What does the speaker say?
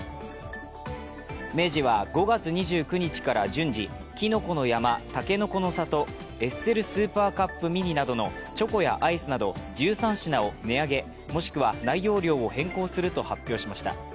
明治は５月２９日から順次、きのこの山、たけのこの里、エッセルスーパーカップミニなどのチョコやアイスなど１３品を値上げもしくは内容量を変更すると発表しました。